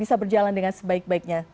bisa berjalan dengan sebaik baiknya